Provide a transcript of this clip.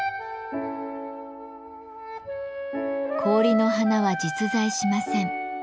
氷の花は実在しません。